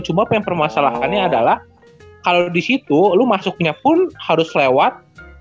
cuma permasalahannya adalah kalau di situ lo masuknya pun harus lewat